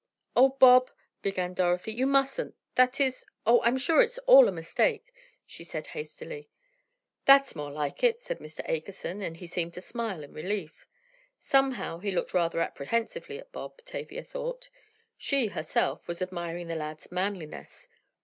"Oh, Bob!" began Dorothy. "You mustn't—that is—Oh, I'm sure it's all a mistake," she said, hastily. "That's more like it," said Mr. Akerson, and he seemed to smile in relief. Somehow he looked rather apprehensively at Bob, Tavia thought. She, herself, was admiring the lad's manliness.